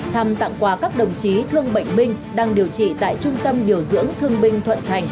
thăm tặng quà các đồng chí thương bệnh binh đang điều trị tại trung tâm điều dưỡng thương binh thuận thành